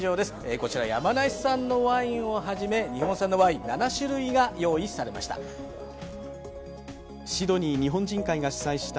こちら山梨産のワインをはじめ日本産のワイン７種類が用意されました。